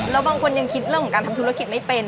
แล้วบางคนยังคิดเรื่องของการทำธุรกิจไม่เป็น